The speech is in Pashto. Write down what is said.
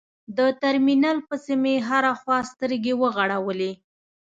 د ترمینل پسې مې هره خوا سترګې وغړولې.